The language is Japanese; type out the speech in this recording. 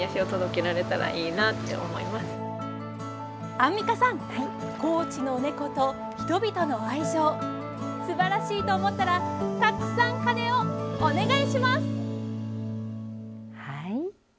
アンミカさん高知の猫と人々の愛情素晴らしいと思ったらたくさん鐘をお願いします。